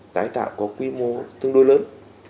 tái tạo có quy mô tương đối lớn